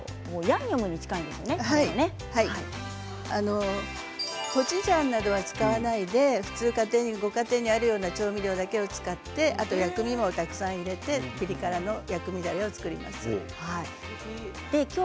だれはコチュジャンなどを使わずに普通のご家庭にあるような調味料だけを使って薬味をたくさん入れてピリ辛薬味だれを作ります。